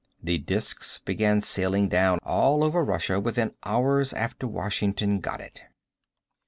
The discs began sailing down all over Russia within hours after Washington got it.